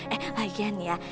eh lagian ya